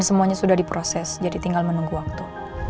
semuanya sudah diproses jadi tinggal menunggu waktu